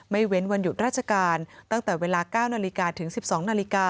ไม่เว้นวันหยุดราชการตั้งแต่เวลา๙นถึง๑๒น